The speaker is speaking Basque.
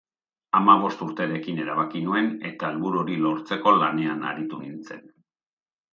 Hamabost urterekin erabaki nuen eta helburu hori lortzeko lanean aritu nintzen.